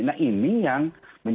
nah ini yang menjelaskan